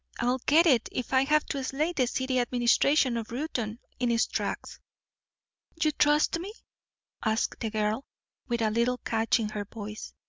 I'll get it if I have to slay the city administration of Reuton in its tracks." "You trust me?" asked the girl, with a little catch in her voice.